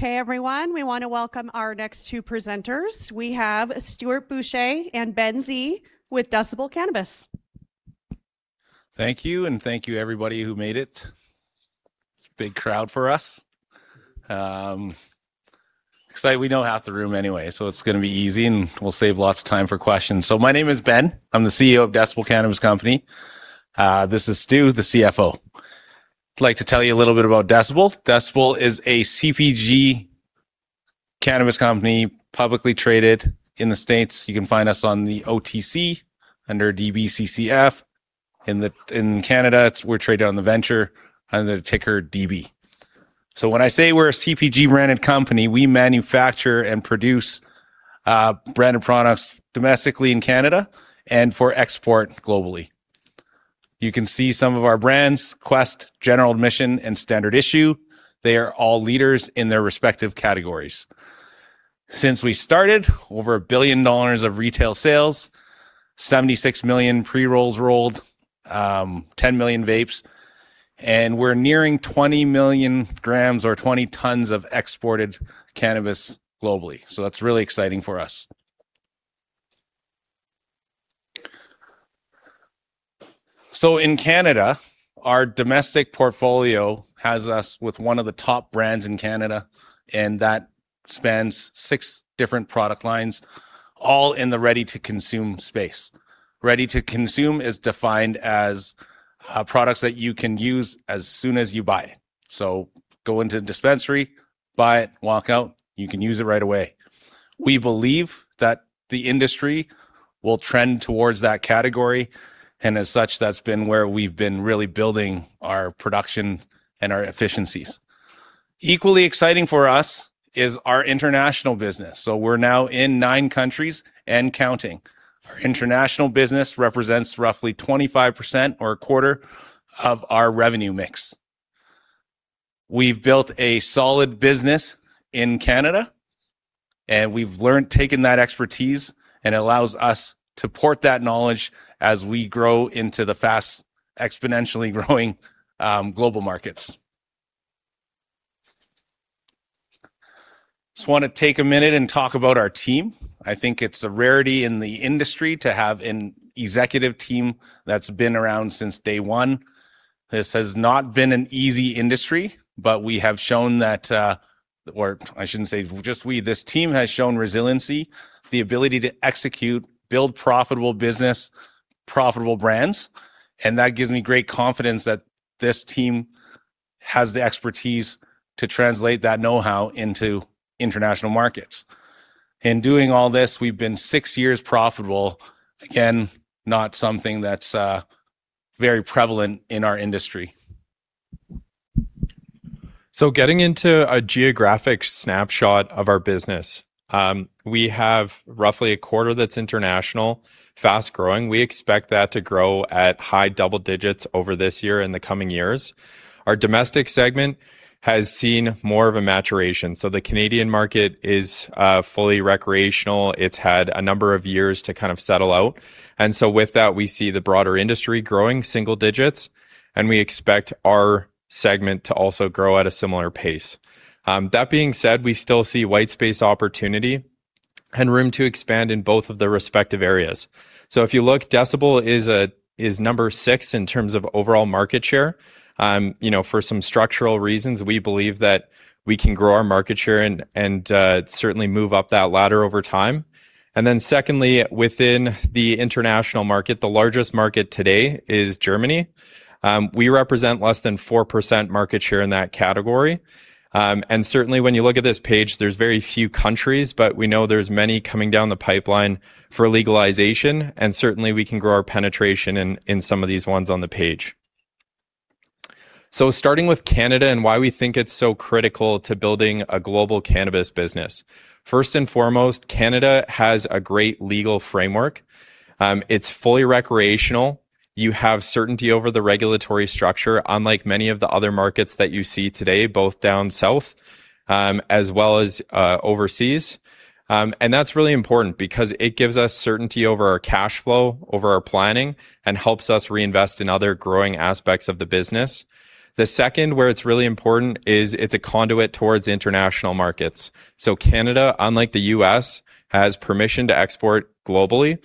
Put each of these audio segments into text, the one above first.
Okay, everyone. We want to welcome our next two presenters. We have Stuart Boucher and Ben Sze with Decibel Cannabis. Thank you. Thank you everybody who made it. Big crowd for us. Excited we don't have the room anyway, it's going to be easy, and we'll save lots of time for questions. My name is Ben. I'm the CEO of Decibel Cannabis Company. This is Stu, the CFO. I'd like to tell you a little bit about Decibel. Decibel is a CPG cannabis company, publicly traded in the States. You can find us on the OTC under DBCCF. In Canada, we're traded on the Venture under the ticker DB. When I say we're a CPG branded company, we manufacture and produce branded products domestically in Canada and for export globally. You can see some of our brands, Qwest, General Admission, and Standard Issue. They are all leaders in their respective categories. Since we started, over 1 billion dollars of retail sales, 76 million pre-rolls rolled, 10 million vapes, and we're nearing 20 million grams or 20 tons of exported cannabis globally. That's really exciting for us. In Canada, our domestic portfolio has us with one of the top brands in Canada, and that spans six different product lines, all in the ready-to-consume space. Ready-to-consume is defined as products that you can use as soon as you buy. Go into the dispensary, buy it, walk out, you can use it right away. We believe that the industry will trend towards that category, and as such, that's been where we've been really building our production and our efficiencies. Equally exciting for us is our international business. We're now in nine countries and counting. Our international business represents roughly 25% or a quarter of our revenue mix. We've built a solid business in Canada. We've taken that expertise, and it allows us to port that knowledge as we grow into the fast, exponentially growing global markets. Just want to take a minute and talk about our team. I think it's a rarity in the industry to have an executive team that's been around since day one. This has not been an easy industry, but we have shown that, or I shouldn't say just we, this team has shown resiliency, the ability to execute, build profitable business, profitable brands, and that gives me great confidence that this team has the expertise to translate that know-how into international markets. In doing all this, we've been six years profitable. Again, not something that's very prevalent in our industry. Getting into a geographic snapshot of our business. We have roughly a quarter that's international, fast-growing. We expect that to grow at high double digits over this year and the coming years. Our domestic segment has seen more of a maturation. The Canadian market is fully recreational. It's had a number of years to kind of settle out. With that, we see the broader industry growing single digits, and we expect our segment to also grow at a similar pace. That being said, we still see white space opportunity and room to expand in both of the respective areas. If you look, Decibel is number six in terms of overall market share. For some structural reasons, we believe that we can grow our market share and certainly move up that ladder over time. Secondly, within the international market, the largest market today is Germany. We represent less than 4% market share in that category. Certainly when you look at this page, there's very few countries, but we know there's many coming down the pipeline for legalization, and certainly we can grow our penetration in some of these ones on the page. Starting with Canada and why we think it's so critical to building a global cannabis business. First and foremost, Canada has a great legal framework. It's fully recreational. You have certainty over the regulatory structure, unlike many of the other markets that you see today, both down south as well as overseas. That's really important because it gives us certainty over our cash flow, over our planning, and helps us reinvest in other growing aspects of the business. The second where it's really important is it's a conduit towards international markets. Canada, unlike the U.S., has permission to export globally.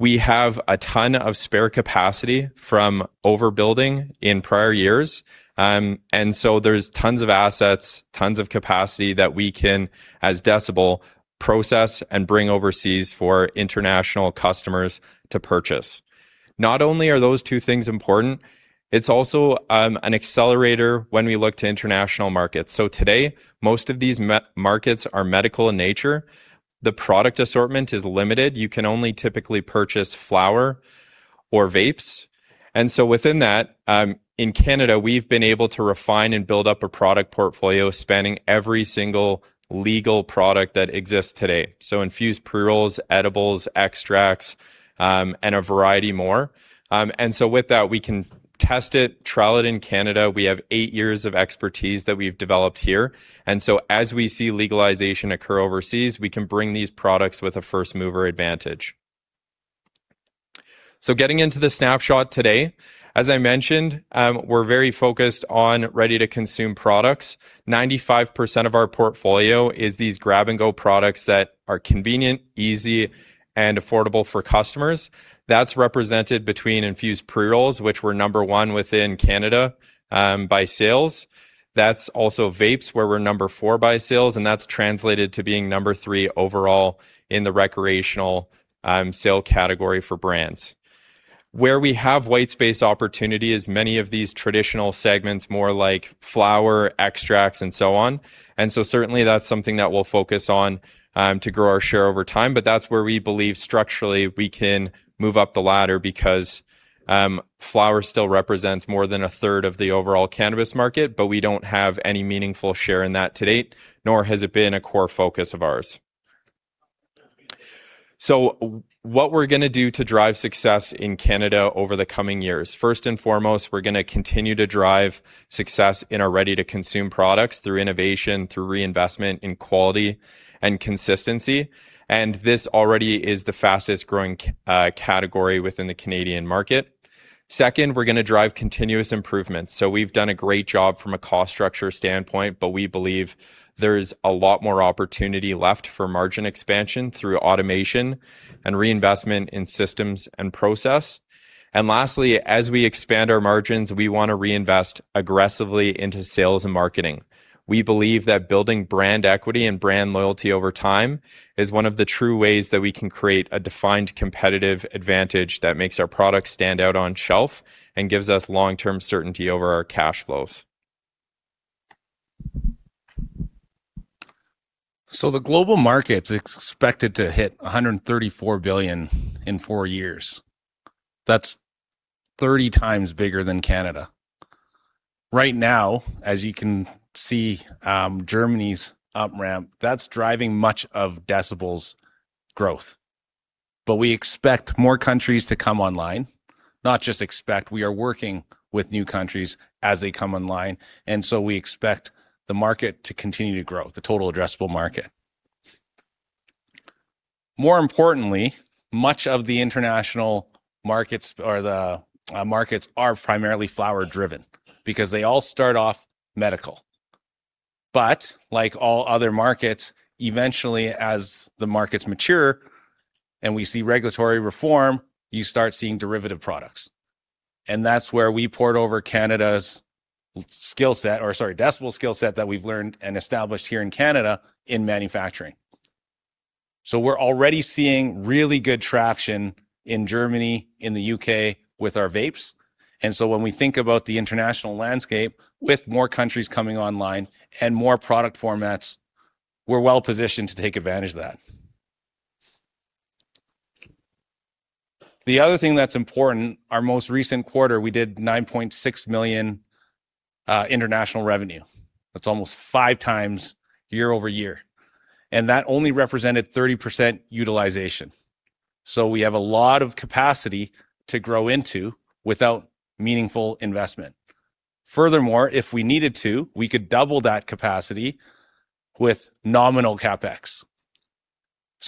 We have a ton of spare capacity from overbuilding in prior years. There's tons of assets, tons of capacity that we can, as Decibel, process and bring overseas for international customers to purchase. Not only are those two things important, it's also an accelerator when we look to international markets. Today, most of these markets are medical in nature. The product assortment is limited. You can only typically purchase flower or vapes. Within that, in Canada, we've been able to refine and build up a product portfolio spanning every single legal product that exists today. Infused pre-rolls, edibles, extracts, and a variety more. With that, we can test it, trial it in Canada. We have eight years of expertise that we've developed here. As we see legalization occur overseas, we can bring these products with a first-mover advantage. Getting into the snapshot today, as I mentioned, we're very focused on ready-to-consume products. 95% of our portfolio is these grab-and-go products that are convenient, easy, and affordable for customers. That's represented between infused pre-rolls, which we're number one within Canada by sales. That's also vapes, where we're number four by sales, and that's translated to being number three overall in the recreational sale category for brands. Where we have white space opportunity is many of these traditional segments, more like flower extracts and so on. Certainly that's something that we'll focus on to grow our share over time. That's where we believe structurally we can move up the ladder because flower still represents more than a third of the overall cannabis market, but we don't have any meaningful share in that to date, nor has it been a core focus of ours. What we're going to do to drive success in Canada over the coming years. First and foremost, we're going to continue to drive success in our ready-to-consume products through innovation, through reinvestment in quality and consistency. This already is the fastest-growing category within the Canadian market. Second, we're going to drive continuous improvements. We've done a great job from a cost structure standpoint, but we believe there's a lot more opportunity left for margin expansion through automation and reinvestment in systems and process. Lastly, as we expand our margins, we want to reinvest aggressively into sales and marketing. We believe that building brand equity and brand loyalty over time is one of the true ways that we can create a defined competitive advantage that makes our products stand out on shelf and gives us long-term certainty over our cash flows. The global market's expected to hit 134 billion in four years. That's 30x bigger than Canada. Right now, as you can see, Germany's up-ramp, that's driving much of Decibel's growth. We expect more countries to come online, not just expect, we are working with new countries as they come online, we expect the market to continue to grow, the total addressable market. More importantly, much of the international markets are primarily flower-driven because they all start off medical. Like all other markets, eventually, as the markets mature and we see regulatory reform, you start seeing derivative products. That's where we port over Canada's skill set, or sorry, Decibel's skill set that we've learned and established here in Canada in manufacturing. We're already seeing really good traction in Germany, in the U.K. with our vapes, when we think about the international landscape with more countries coming online and more product formats, we're well-positioned to take advantage of that. The other thing that's important, our most recent quarter, we did 9.6 million international revenue. That's almost five times year-over-year. That only represented 30% utilization. We have a lot of capacity to grow into without meaningful investment. Furthermore, if we needed to, we could double that capacity with nominal CapEx.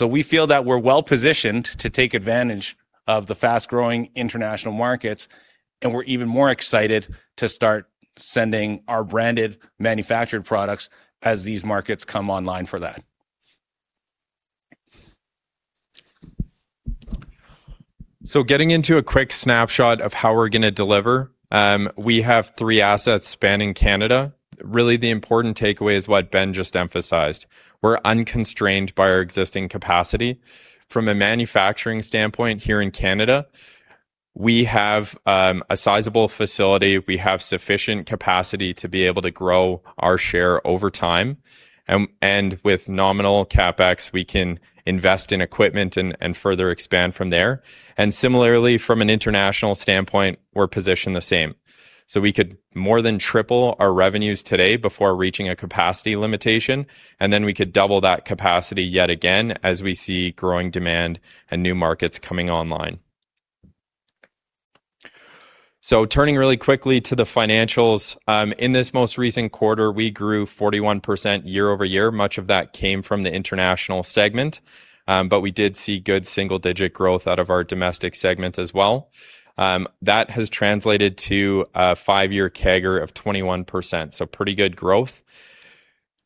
We feel that we're well-positioned to take advantage of the fast-growing international markets, and we're even more excited to start sending our branded manufactured products as these markets come online for that. Getting into a quick snapshot of how we're going to deliver. We have three assets spanning Canada. Really, the important takeaway is what Ben just emphasized. We're unconstrained by our existing capacity. From a manufacturing standpoint here in Canada, we have a sizable facility. We have sufficient capacity to be able to grow our share over time. With nominal CapEx, we can invest in equipment and further expand from there. Similarly, from an international standpoint, we're positioned the same. We could more than triple our revenues today before reaching a capacity limitation, and then we could double that capacity yet again as we see growing demand and new markets coming online. Turning really quickly to the financials. In this most recent quarter, we grew 41% year-over-year. Much of that came from the international segment, we did see good single-digit growth out of our domestic segment as well. That has translated to a five-year CAGR of 21%, pretty good growth.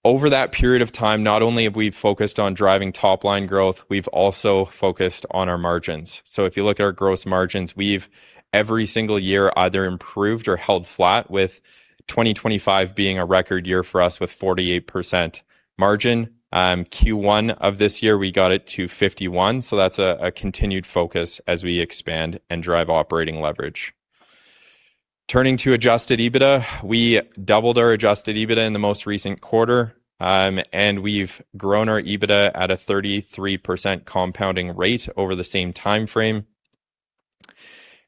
Over that period of time, not only have we focused on driving top-line growth, we've also focused on our margins. If you look at our gross margins, we've, every single year, either improved or held flat with 2025 being a record year for us with 48% margin. Q1 of this year, we got it to 51%, that's a continued focus as we expand and drive operating leverage. Turning to adjusted EBITDA, we doubled our adjusted EBITDA in the most recent quarter, we've grown our EBITDA at a 33% compounding rate over the same time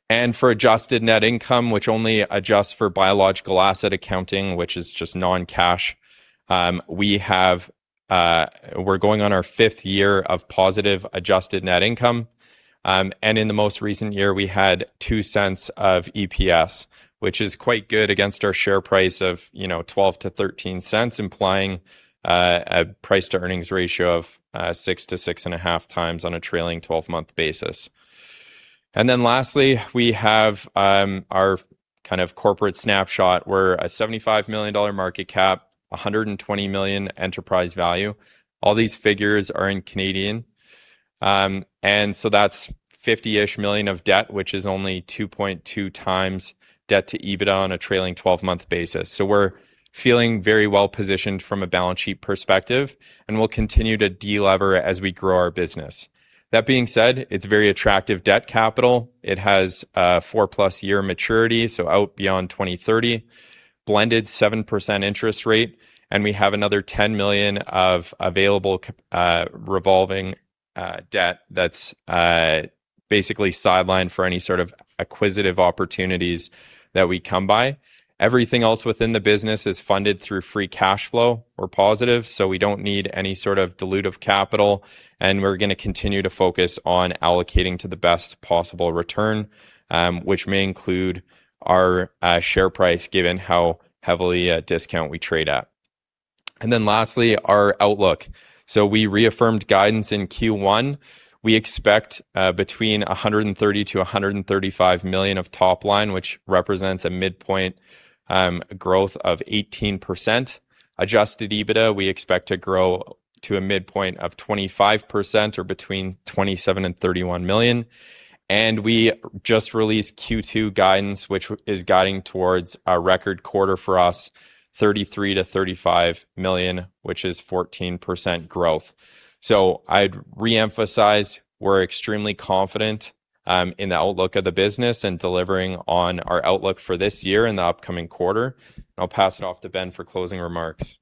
frame. For adjusted net income, which only adjusts for biological asset accounting, which is just non-cash, we're going on our fifth year of positive adjusted net income. In the most recent year, we had 0.02 of EPS, which is quite good against our share price of 0.12 to 0.13, implying a price-to-earnings ratio of 6x to 6.5x on a trailing 12-month basis. Lastly, we have our corporate snapshot. We're a 75 million dollar market cap, 120 million enterprise value. All these figures are in Canadian. That's 50 million of debt, which is only 2.2x debt to EBITDA on a trailing 12-month basis. We're feeling very well-positioned from a balance sheet perspective, and we'll continue to delever as we grow our business. That being said, it's very attractive debt capital. It has a four plus year maturity, out beyond 2030, blended 7% interest rate, we have another 10 million of available revolving debt that's basically sidelined for any sort of acquisitive opportunities that we come by. Everything else within the business is funded through free cash flow or positive, we don't need any sort of dilutive capital, we're going to continue to focus on allocating to the best possible return, which may include our share price, given how heavily a discount we trade at. Lastly, our outlook. We reaffirmed guidance in Q1. We expect between 130 million-135 million of top line, which represents a midpoint growth of 18%. Adjusted EBITDA, we expect to grow to a midpoint of 25% or between 27 million and 31 million. We just released Q2 guidance, which is guiding towards a record quarter for us, 33 million-35 million, which is 14% growth. I'd reemphasize, we're extremely confident in the outlook of the business and delivering on our outlook for this year and the upcoming quarter. I'll pass it off to Ben for closing remarks.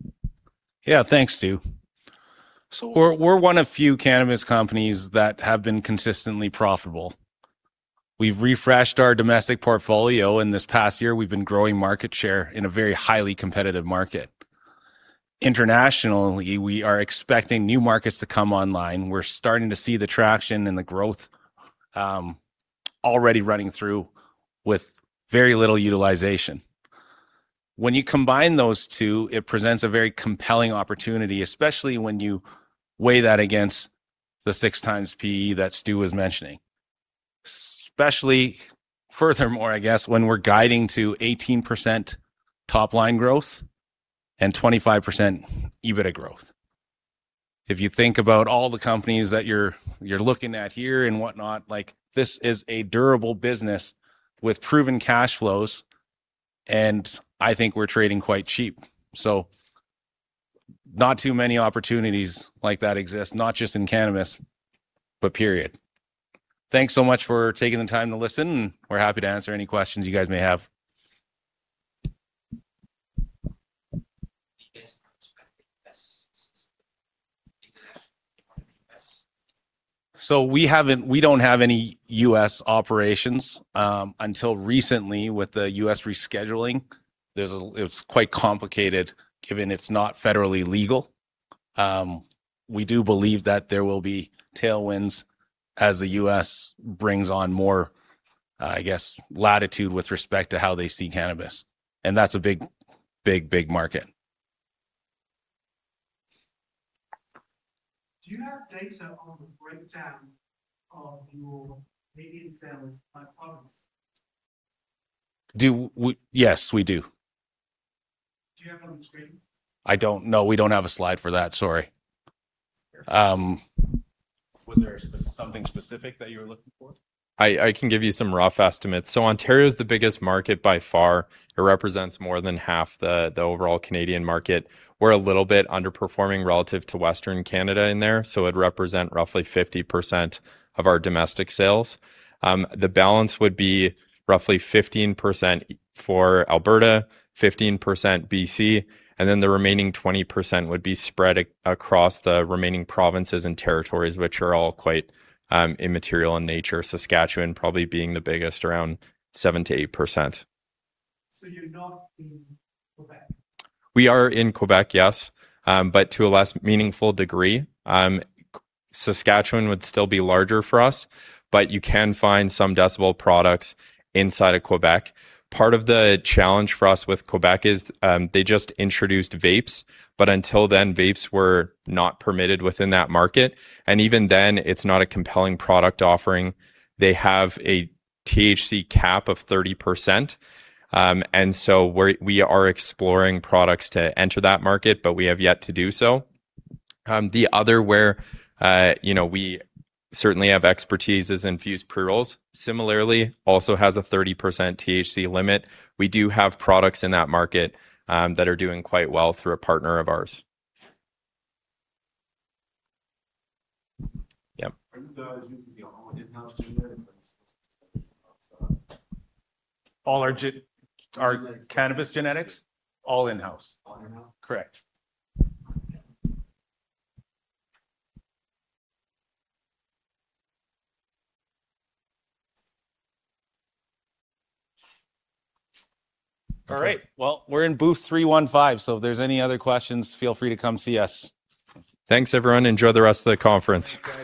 Yeah. Thanks, Stu. We're one of few cannabis companies that have been consistently profitable. We've refreshed our domestic portfolio in this past year. We've been growing market share in a very highly competitive market. Internationally, we are expecting new markets to come online. We're starting to see the traction and the growth already running through with very little utilization. When you combine those two, it presents a very compelling opportunity, especially when you weigh that against the six times P/E that Stu was mentioning. Especially furthermore, I guess, when we're guiding to 18% top-line growth and 25% EBITDA growth. If you think about all the companies that you're looking at here and whatnot, this is a durable business with proven cash flows, and I think we're trading quite cheap. Not too many opportunities like that exist, not just in cannabis, but period. Thanks so much for taking the time to listen, and we're happy to answer any questions you guys may have. Do you guys expect the best internationally to be the best? We don't have any U.S. operations. Until recently with the U.S. rescheduling, it's quite complicated given it's not federally legal. We do believe that there will be tailwinds as the U.S. brings on more, I guess, latitude with respect to how they see cannabis, and that's a big market. Do you have data on the breakdown of your Canadian sales by province? Yes, we do. Do you have it on the screen? No, we don't have a slide for that, sorry. Was there something specific that you were looking for? I can give you some rough estimates. Ontario's the biggest market by far. It represents more than half the overall Canadian market. We're a little bit underperforming relative to Western Canada in there, so it'd represent roughly 50% of our domestic sales. The balance would be roughly 15% for Alberta, 15% B.C., and then the remaining 20% would be spread across the remaining provinces and territories, which are all quite immaterial in nature. Saskatchewan probably being the biggest, around 7%-8%. You're not in Quebec? We are in Quebec, yes, but to a less meaningful degree. Saskatchewan would still be larger for us, but you can find some Decibel products inside of Quebec. Part of the challenge for us with Quebec is, they just introduced vapes, but until then, vapes were not permitted within that market. Even then, it's not a compelling product offering. They have a THC cap of 30%, we are exploring products to enter that market, but we have yet to do so. The other where we certainly have expertise is infused pre-rolls. Similarly, also has a 30% THC limit. We do have products in that market that are doing quite well through a partner of ours. Yep. Are you guys using your own in-house genetics? All our Genetics cannabis genetics, all in-house. All in-house? Correct. All right. Well, we're in booth 315, so if there's any other questions, feel free to come see us. Thanks, everyone. Enjoy the rest of the conference.